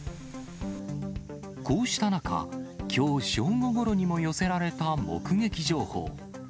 こうした中、きょう正午ごろにも寄せられた目撃情報。